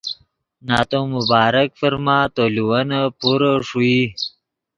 نتو مبارک فرما تو لیوینے پورے ݰوئی